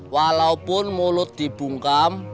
walaupun mulut dibungkam